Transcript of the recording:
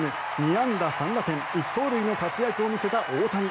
２安打３打点１盗塁の活躍を見せた大谷。